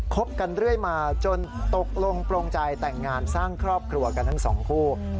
บกันเรื่อยมาจนตกลงโปรงใจแต่งงานสร้างครอบครัวกันทั้งสองคู่